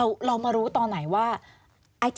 อันดับ๖๓๕จัดใช้วิจิตร